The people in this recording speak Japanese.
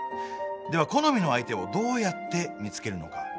では好みの相手をどうやって見つけるのか？